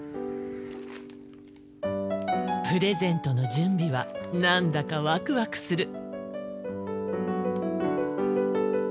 プレゼントの準備は何だかワクワクする。